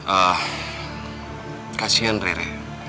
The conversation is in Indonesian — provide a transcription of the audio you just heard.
ah kasihan rere